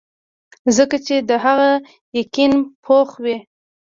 ځکه چې د هغه يقين پوخ وي -